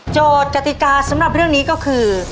กติกาสำหรับเรื่องนี้ก็คือ